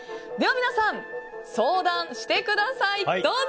では皆さん、相談してください。